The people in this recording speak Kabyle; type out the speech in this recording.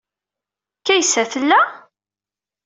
Kaysa tella?